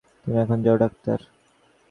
তুমি এখন যাও ড়াক্তার।